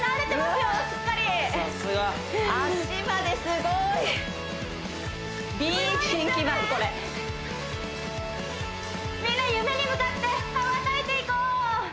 すっかりさすがみんな夢に向かって羽ばたいていこう！